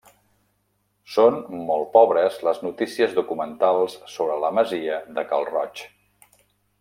Són molt pobres les notícies documentals sobre la masia de Cal Roig.